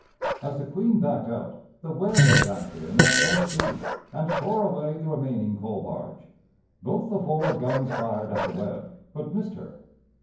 As the Queen backed out, the Webb dashed in at full speed, and tore away the remaining coal barge. Both the forward guns fired at the Webb, but missed her.